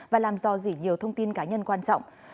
và làm dò dỉ nhiều thông tin cá nhân quan trọng